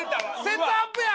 セットアップや！